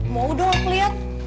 mau dong aku liat